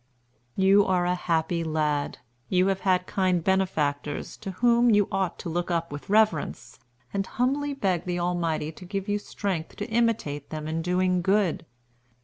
"You are a happy lad. You have kind benefactors, to whom you ought to look up with reverence, and humbly beg the Almighty to give you strength to imitate them in doing good.